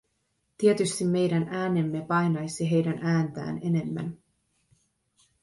Tietysti meidän äänemme painaisi heidän ääntään enemmän.